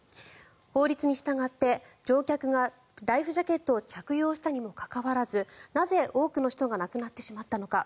法律に従って乗客がライフジャケットを着用したにもかかわらずなぜ、多くの人が亡くなってしまったのか。